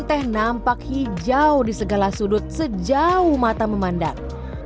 teh nampak hijau di segala sudut sejauh mata memandang